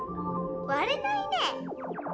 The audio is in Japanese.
われないね。